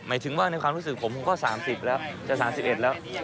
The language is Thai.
ถึงว่าในความรู้สึกผมผมก็๓๐แล้วจะ๓๑แล้ว